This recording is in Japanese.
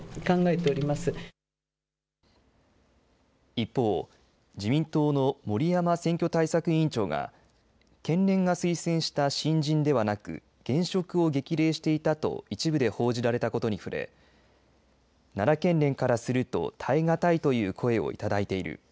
一方自民党の森山選挙対策委員長が県連が推薦した新人ではなく現職を激励していたと一部で報じられたことに触れ奈良県連からすると耐えがたいという声をいただいている。